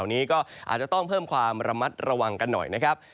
นี้ก็อาจจะต้องเพิ่มความระมัดระวังกันหน่อยนะครับ